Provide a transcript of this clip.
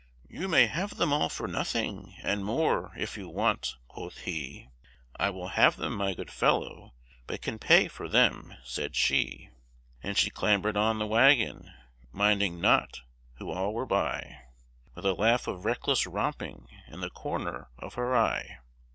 "You may have them all for nothing, and more, if you want," quoth he. "I will have them, my good fellow, but can pay for them," said she; And she clambered on the wagon, minding not who all were by, With a laugh of reckless romping in the corner of her eye.